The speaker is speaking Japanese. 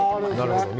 なるほどね。